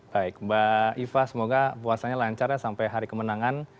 baik mbak iva semoga puasanya lancar ya sampai hari kemenangan